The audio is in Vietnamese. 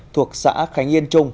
thuộc xã khánh yên trung